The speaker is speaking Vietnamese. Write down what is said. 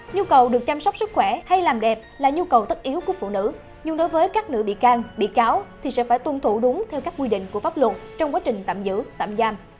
nhu cầu được chăm sóc sức khỏe hay làm đẹp là nhu cầu tất yếu của phụ nữ nhưng đối với các nữ bị can bị cáo thì sẽ phải tuân thủ đúng theo các quy định của pháp luật trong quá trình tạm giữ tạm giam